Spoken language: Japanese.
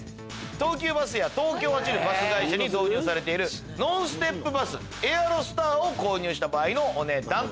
東急バスや東京を走るバス会社に導入されてるノンステップバスエアロスターを購入した場合のお値段。